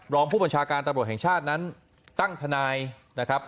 รองผู้บัญชาการตำรวจแห่งชาตินั้นตั้งทนายนะครับ